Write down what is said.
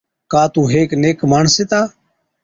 ڪا تُون هيڪ نيڪ ماڻس هِتا،